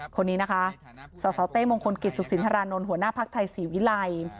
คนนี้นะฮะสาเต้มงคนกิจศุขสิณะรานนท์หัวหน้าภักดิ์ไทยสิวิไร